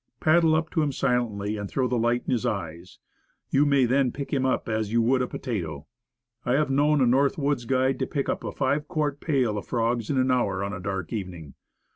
Paddle up to him silently and throw the light in his eyes; you may then pick him up as you would a potato. I have known a North Woods guide to pick up a five quart pail of frogs in an hour, on a dark evening.